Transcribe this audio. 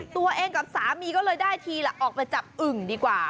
ตัวเองกับสามีก็เลยได้ทีละออกไปจับอึ่งดีกว่า